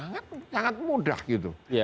kan sangat mudah gitu